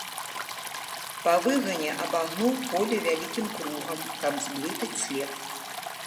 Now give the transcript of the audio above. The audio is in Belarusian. Па выгане абагнуў поле вялікім кругам, каб зблытаць след.